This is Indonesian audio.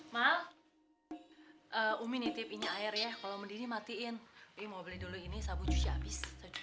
mah umi nitip ini air ya kalau mendidih matiin ih mau beli dulu ini sabu cuci habis